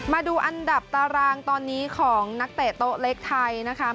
มาดูอันดับตารางตอนนี้ของนักเตะโต๊ะเล็กไทยนะคะ